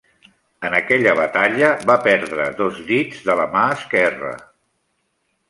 En aquella batalla va perdre dos dits de la mà esquerra.